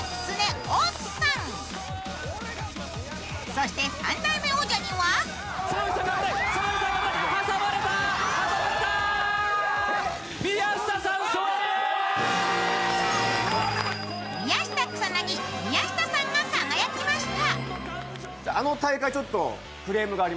そして３代目王者には宮下草薙、宮下さんが輝きました。